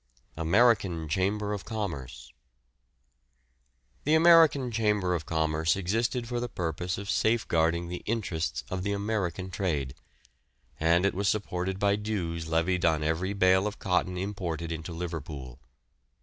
AMERICAN CHAMBER OF COMMERCE. The American Chamber of Commerce existed for the purpose of safeguarding the interests of the American trade, and was supported by dues levied on every bale of cotton imported into Liverpool.